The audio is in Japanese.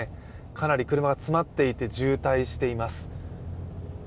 かなり車が詰まっていて渋滞しています。